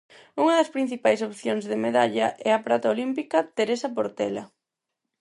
Unha das principais opcións de medalla e a prata olímpica Teresa Portela.